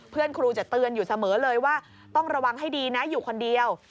เพื่อนครูจะเตือนอยู่เสมอเลยว่าต้องระวังให้ดีนะอยู่คนเดียว